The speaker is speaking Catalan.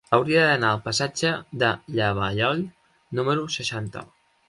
Hauria d'anar al passatge de Llavallol número seixanta.